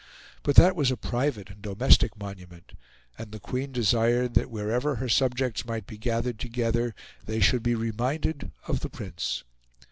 But that was a private and domestic monument, and the Queen desired that wherever her subjects might be gathered together they should be reminded of the Prince.